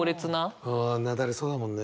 ああ雪崩そうだもんね。